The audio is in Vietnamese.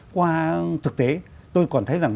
qua thực tế tôi còn thấy rằng